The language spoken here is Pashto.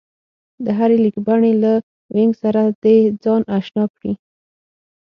د هرې لیکبڼې له وينګ سره دې ځان اشنا کړي